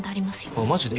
あっマジで？